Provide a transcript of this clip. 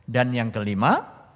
dan yang kelima